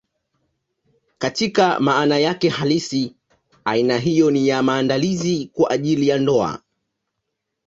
Katika maana yake halisi, aina hiyo ni ya maandalizi kwa ajili ya ndoa.